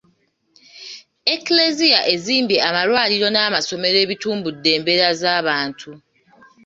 Eklezia ezimbye amalwaliro n'amasomero ebitumbudde embeera z’abantu.